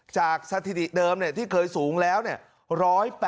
จากสถิติเดิมเนี่ยที่เคยสูงแล้วเนี่ย